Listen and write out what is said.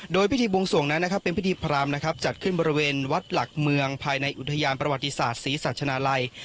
โดยพิธีบวงสวงนั้นนะครับเป็นพิธีพรามนะครับจัดขึ้นบริเวณวัดหลักเมืองภายในอุทยานประวัติศาสตร์ศรีสัชนาลัย